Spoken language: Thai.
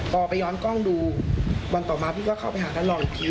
พอไปย้อนกล้องดูวันต่อมาพี่ก็เข้าไปหาท่านรองอีกที